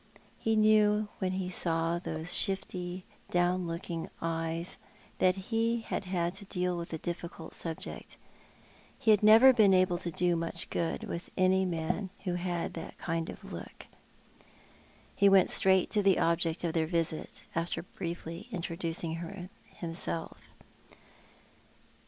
He knew when he saw those shifty, down looking eyes that he had to deal with a difficult subject. He had never been able to do much good with any man who had that kind of look. He went straight to the object of their visit, after briefly introducing himself.